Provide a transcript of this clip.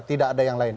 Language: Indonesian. tidak ada yang lain